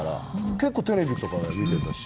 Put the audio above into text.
結構テレビとかで見てたし。